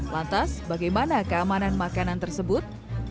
lantas bagaimana keamanan makanan tersebut